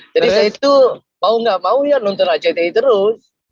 jadi saya itu mau nggak mau ya nonton rcti terus